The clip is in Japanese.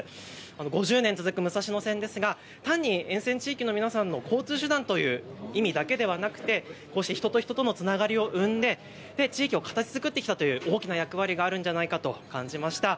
５０年続く武蔵野線ですが単に沿線地域の皆さんの交通手段という意味だけではなくて人と人とのつながりを生んで地域を形づくってきたという大きな役割があるんじゃないかと感じました。